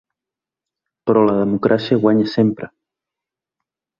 Però la democràcia guanya sempre!